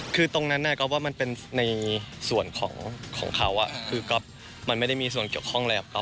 คือตรงนั้นก๊อฟว่ามันเป็นในส่วนของเขาคือก๊อฟมันไม่ได้มีส่วนเกี่ยวข้องอะไรกับเขา